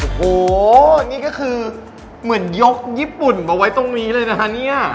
โอ้โหนี่ก็คือเหมือนยกญี่ปุ่นมาไว้ตรงนี้เลยนะคะเนี่ย